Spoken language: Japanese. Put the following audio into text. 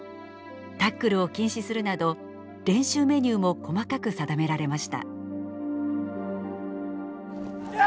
タックルを禁止するなど練習メニューも細かく定められました。